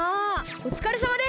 おつかれさまです！